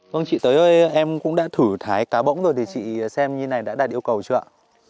vâng chị tới ơi em cũng đã thử thái cá bỗng rồi thì chị xem như thế này đã đạt yêu cầu chưa ạ